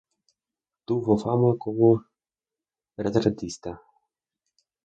Tuvo fama como retratista.